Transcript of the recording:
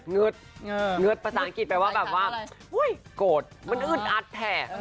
เงิดเงิดประสานอังกฤษแปลว่าแบบว่าโกรธมันอึดอัดแท่